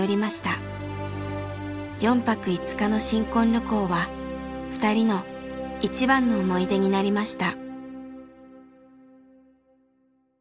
４泊５日の新婚旅行は２人の一番の思い出になりました。